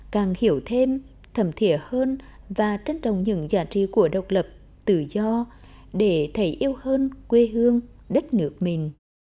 càng hiểu thêm thẩm thiện hơn và trân trọng những giá trị của độc lập tự do để thầy yêu hơn quê hương đất nước mình